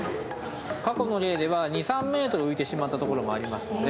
過去の例では２３ｍ浮いてしまったところもありますので。